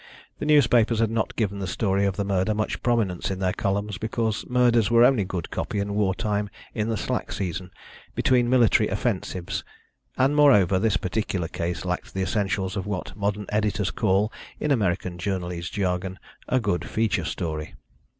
The newspapers had not given the story of the murder much prominence in their columns, because murders were only good copy in war time in the slack season between military offensives, and, moreover, this particular case lacked the essentials of what modern editors call, in American journalese jargon, "a good feature story."